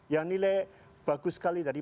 yang nilai bagus sekali tadi